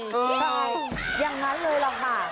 ใช่อย่างนั้นเลยล่ะค่ะ